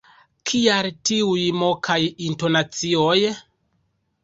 Kial tiuj mokaj intonacioj?